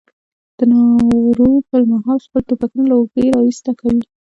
د نارو پر مهال خپل ټوپکونه له اوږې را ایسته کوي.